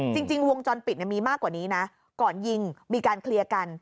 จริงวงจรปิดมีมากกว่านี้นะก่อนยิงมีการเคลียร์กัน